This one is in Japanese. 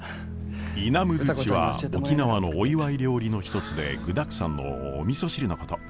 イナムドゥチは沖縄のお祝い料理の一つで具だくさんのおみそ汁のこと。